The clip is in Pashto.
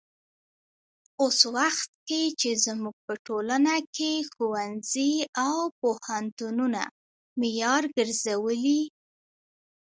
اوس وخت کې چې زموږ په ټولنه کې ښوونځي او پوهنتونونه معیار ګرځولي.